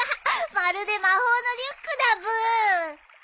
まるで魔法のリュックだブー。